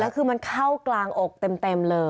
แล้วคือมันเข้ากลางอกเต็มเลย